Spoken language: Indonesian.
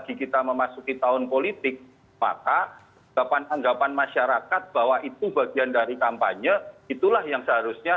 dengan manuver manuver para pembantunya